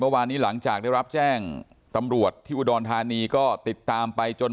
เมื่อวานนี้หลังจากได้รับแจ้งตำรวจที่อุดลธานีก็ติดตามไปจน